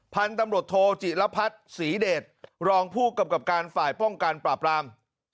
พันธุ์ตำรวจโทจิรพัฒน์ศรีเดชรองผู้กำกับการฝ่ายป้องกันปราบราม